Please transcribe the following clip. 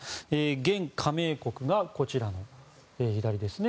現加盟国がこちら、左ですね。